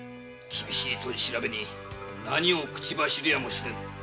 厳しい取り調べに何を口走るやもしれぬ。